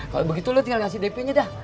kalau begitu lo tinggal kasih dp nya dah